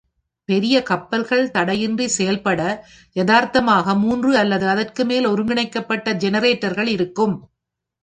பெரிய கப்பல்கள் தடையின்றி செயல்பட, யதார்த்தமாக மூன்று அல்லது அதற்கு மேல் ஒருங்கிணைக்கப்பட்ட ஜெனரேட்டர்கள் இருக்கும்